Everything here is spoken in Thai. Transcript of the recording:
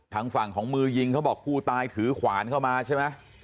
ทางฝั่งของมือยิงเขาบอกผู้ตายถือขวานเข้ามาใช่ไหม